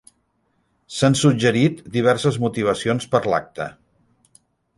S'han suggerit diverses motivacions per l'acte.